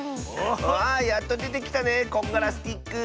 わあやっとでてきたねこんがらスティック！